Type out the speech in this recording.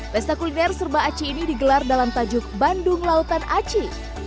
pesta kuliner serba aci ini digelar dalam tajuk bandung lautan aci